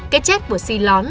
cái chết của si lón